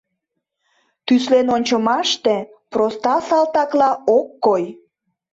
Тӱслен ончымаште проста салтакла ок кой.